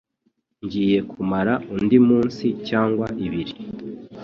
Ngiye kumara undi munsi cyangwa ibiri.